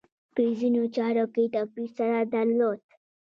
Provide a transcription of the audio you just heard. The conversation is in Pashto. په ځینو چارو کې توپیر سره درلود.